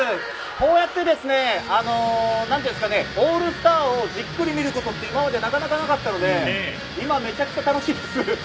こうやって、オールスターをじっくり見ることって今までなかなかなかったので今めちゃくちゃ楽しいです。